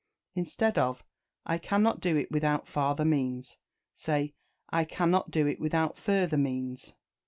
Instead of "I cannot do it without farther means," say "I cannot do it without further means."